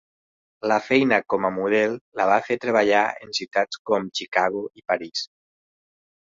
La feina com a model la va fer treballar en ciutats com Chicago i París.